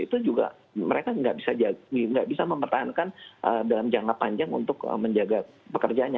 itu juga mereka nggak bisa mempertahankan dalam jangka panjang untuk menjaga pekerjaannya